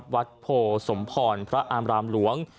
วัดโผสมฉลนภรรพระอารามหลวง